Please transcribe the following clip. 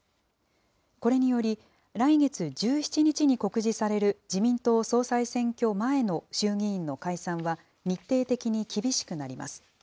これにより、来月１７日に告示される自民党総裁選挙前の衆議院の解散は日程的に厳しくなります。